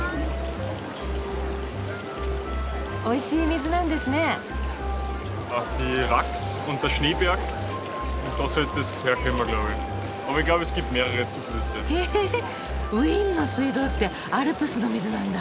おいしい水なんですね。へウィーンの水道ってアルプスの水なんだ。